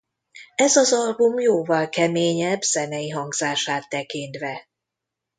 Ez az album jóval keményebb zenei hangzását tekintve.